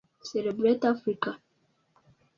Celebrate Africa